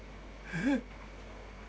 えっ？